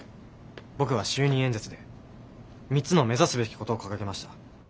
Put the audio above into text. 僕は就任演説で３つの目指すべきことを掲げました。